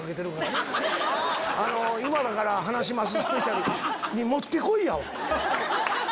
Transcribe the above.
『今だから話しますスペシャル』にもってこいやわ。